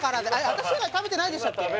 私以外食べてないんでしたっけ？